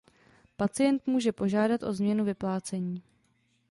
Pacient může požádat o změnu vyplácení.